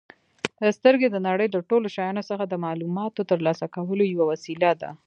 سترګې د نړۍ له ټولو شیانو څخه د معلوماتو ترلاسه کولو یوه وسیله ده.